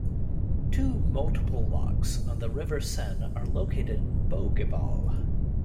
Two multiple locks on the River Seine are located in Bougival.